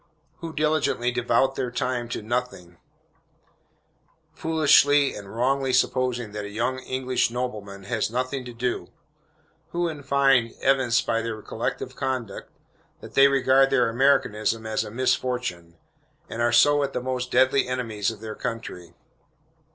Who diligently devote their time to nothing, foolishly and wrongly supposing that a young English nobleman has nothing to do? Who, in fine, evince by their collective conduct, that they regard their Americanism as a misfortune, and are so the most deadly enemies of their country?